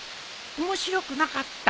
面白くなかった？